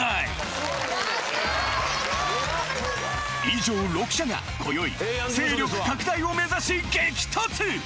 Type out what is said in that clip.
以上６社が今宵勢力拡大を目指し激突！